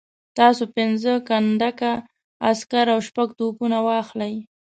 تاسو پنځه کنډکه عسکر او شپږ توپونه واخلئ.